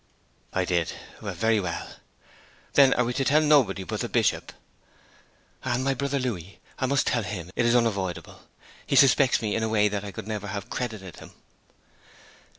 'I did. ... Very well. Then we are to tell nobody but the Bishop?' 'And my brother Louis. I must tell him; it is unavoidable. He suspects me in a way I could never have credited of him!'